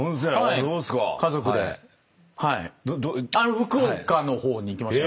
福岡の方に行きました。